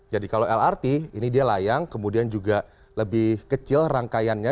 jadi kalau lrt ini dia layang kemudian juga lebih kecil rangkaiannya